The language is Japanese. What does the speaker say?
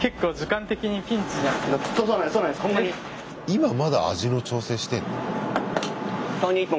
今まだ味の調整してんの？